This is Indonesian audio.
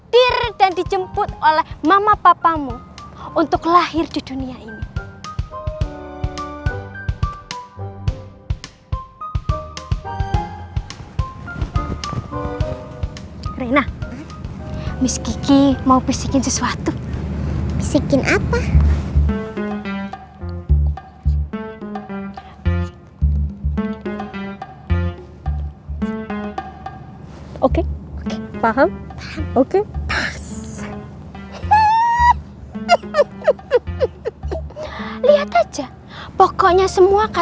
kenapa lempar mulut ke kasar